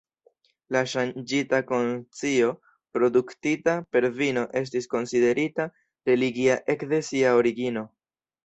La ŝanĝita konscio produktita per vino estis konsiderita religia ekde sia origino.